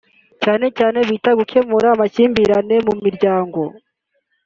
cyane cyane bita ku gukemura amakimbirane mu miryango